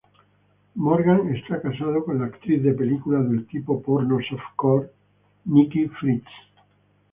Morgan está casado con la actriz de películas del tipo porno softcore, Nikki Fritz.